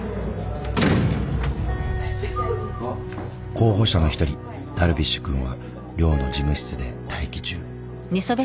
候補者の一人ダルビッシュ君は寮の事務室で待機中。